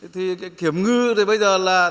thì kiểm ngư thì bây giờ là